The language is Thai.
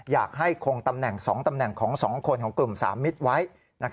อยากให้คงตำแหน่ง๒ตำแหน่งของ๒คนของกลุ่ม๓มิตรไว้